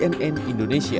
tim liputan cnn indonesia